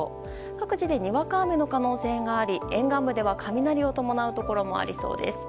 各地でにわか雨の可能性があり沿岸部では雷を伴うところもありそうです。